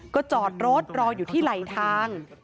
ก็จอดรถรออยู่ที่ไหลทาง